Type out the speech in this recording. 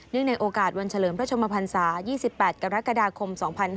ในโอกาสวันเฉลิมพระชมพันศา๒๘กรกฎาคม๒๕๕๙